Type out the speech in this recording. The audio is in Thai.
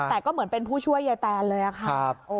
แต่ก็เหมือนเป็นผู้ช่วยยายแตนเลยอะค่ะ